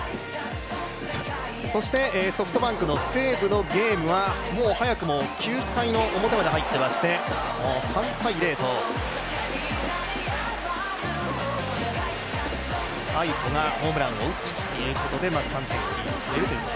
そしてソフトバンク×西武のゲームはもう早くも９回の表まで入ってまして３−０、愛斗がホームランを打って、まずリードしていると。